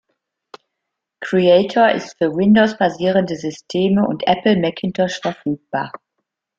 Creator ist für Windows-basierende Systeme und Apple Macintosh verfügbar.